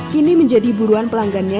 kini menjadi buruan pelanggannya